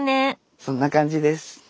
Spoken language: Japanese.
そんな感じです。